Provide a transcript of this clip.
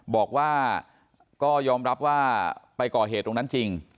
บอกว่าก็ยอมรับว่าไปก่อเหตุตรงนั้นจริง